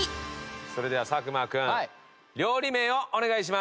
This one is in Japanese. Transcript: それでは作間君料理名をお願いします。